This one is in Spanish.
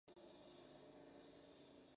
En otros reptiles la muda ocurre por parches.